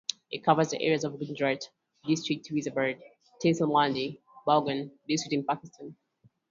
It covers the area of Gujrat District Wazirabad Tehsil Mandi Bahauddin District in Pakistan.